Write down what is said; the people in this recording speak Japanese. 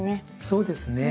そうですね。